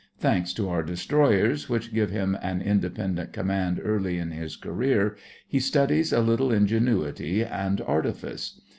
Thanks to our destroyers, which give him an independent command early in his career, he studies a little ingenuity and artifice.